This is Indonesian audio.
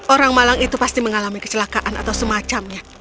orang malang itu pasti mengalami kecelakaan atau semacamnya